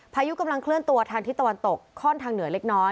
พายุกำลังเคลื่อนตัวทางทิศตะวันตกคล่อนทางเหนือเล็กน้อย